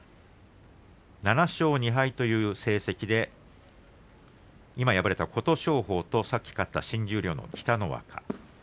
７勝２敗という成績で今、敗れた琴勝峰と、先ほど勝った新十両の北の若。